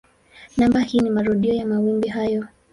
Namba hii ni marudio ya mawimbi haya.